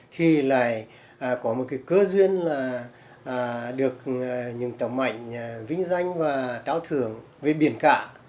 thì lại có một cái cơ duyên là được những tổng mạnh vinh danh và trao thưởng về biển cả